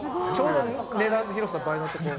値段、広さ倍のところ。